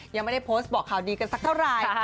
ยังไม่ได้โพสต์บอกข่าวดีกันสักเท่าไหร่